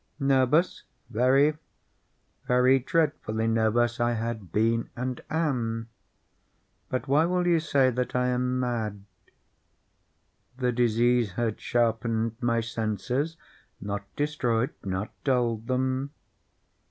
—nervous—very, very dreadfully nervous I had been and am; but why will you say that I am mad? The disease had sharpened my senses—not destroyed—not dulled them.